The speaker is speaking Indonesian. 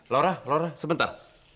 laura laura sebentar